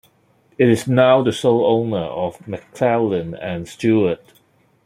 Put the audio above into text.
It is now the sole owner of McClelland and Stewart.